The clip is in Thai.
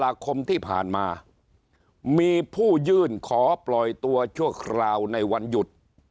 คมที่ผ่านมามีผู้ยื่นขอปล่อยตัวชั่วคราวในวันหยุด